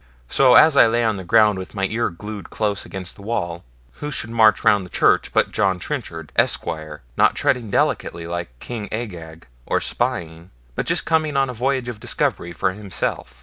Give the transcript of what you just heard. So as I lay on the ground with my ear glued close against the wall, who should march round the church but John Trenchard, Esquire, not treading delicately like King Agag, or spying, but just come on a voyage of discovery for himself.